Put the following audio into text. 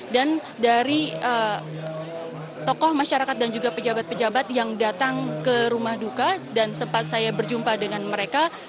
dan dari tokoh masyarakat dan juga pejabat pejabat yang datang ke rumah duka dan sempat saya berjumpa dengan mereka